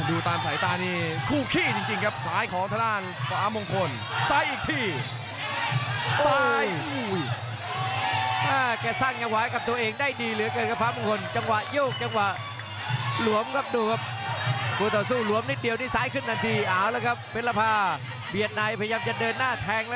โอ้โหฮุกขวาแล้วล็อกในแท่ง